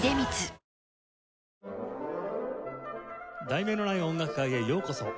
『題名のない音楽会』へようこそ。